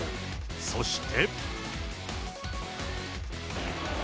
そして。